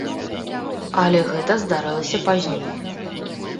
Але гэта здарылася пазней.